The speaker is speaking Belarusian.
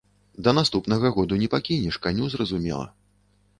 Да наступнага году не пакінеш, каню зразумела.